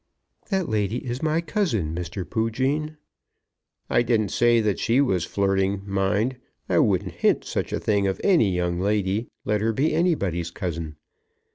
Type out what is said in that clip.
"That lady is my cousin, Mr. Poojean." "I didn't say that she was flirting, mind. I wouldn't hint such a thing of any young lady, let her be anybody's cousin.